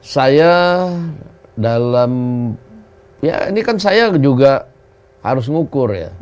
saya dalam ya ini kan saya juga harus ngukur ya